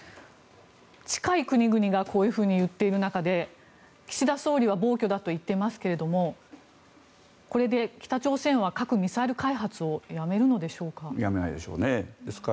近い国々がこういうふうに言っている中で岸田総理は暴挙だと言っていますがこれで北朝鮮は核・ミサイル開発をやめるのでしょうか？